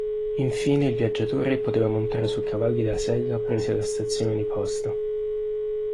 Infine, il viaggiatore poteva montare su cavalli da sella presi alla stazione di posta.